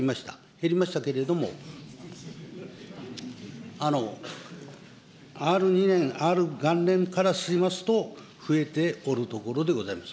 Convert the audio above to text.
減りましたけれども、Ｒ２年、Ｒ元年からしますと、増えておるところでございます。